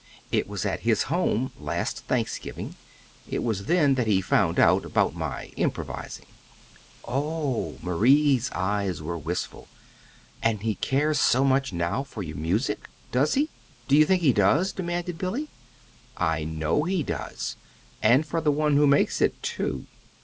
It was at his home last Thanksgiving. It was then that he found out about my improvising." "Oh h!" Marie's eyes were wistful. "And he cares so much now for your music!" "Does he? Do you think he does?" demanded Billy. "I know he does and for the one who makes it, too."